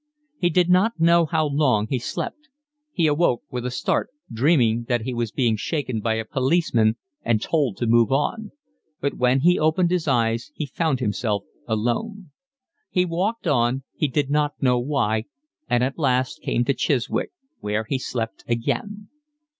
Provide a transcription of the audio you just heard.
He did not know how long he slept; he awoke with a start, dreaming that he was being shaken by a policeman and told to move on; but when he opened his eyes he found himself alone. He walked on, he did not know why, and at last came to Chiswick, where he slept again.